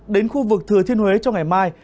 đến khu vực thừa thiên huế trong ngày mai